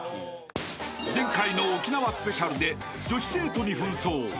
［前回の沖縄スペシャルで女子生徒に扮装］